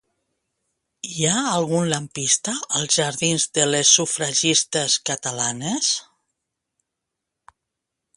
Hi ha algun lampista als jardins de les Sufragistes Catalanes?